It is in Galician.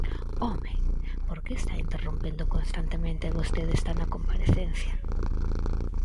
¡Home!, porque está interrompendo constantemente e vostede está na comparecencia.